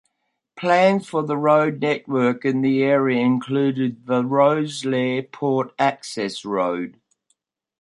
Plans for the road network in the area include the Rosslare Port Access Road.